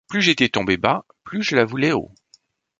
Plus j’étais tombé bas, plus je la voulais haut.